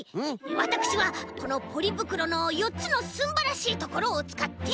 わたくしはこのポリぶくろのよっつのすんばらしいところをつかって。